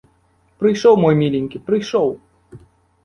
Прыйшоў мой міленькі, прыйшоў!